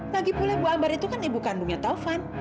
lagi pula ibu ambar itu kan ibu kandungnya taufan